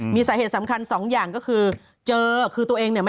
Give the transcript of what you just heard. มีสาเหตุสำคัญสองอย่างก็คือ